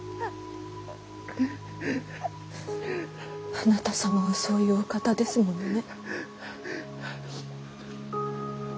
あなた様はそういうお方ですものね。